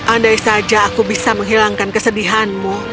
andai saja aku bisa menghilangkan kesedihanmu